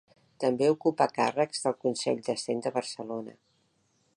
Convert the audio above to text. També ocupà càrrecs del Consell de Cent de Barcelona.